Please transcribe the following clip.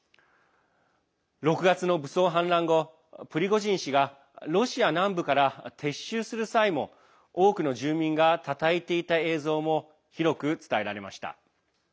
６月の武装反乱後プリゴジン氏がロシア南部から撤収する際も多くの住民がたたえていた映像も広く伝えられました。